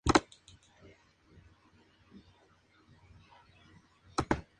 Proyect antes de unirse a Morning Musume.